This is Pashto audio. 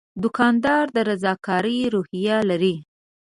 دوکاندار د رضاکارۍ روحیه لري.